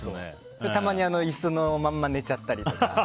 たまに椅子のまんま寝ちゃったりとか。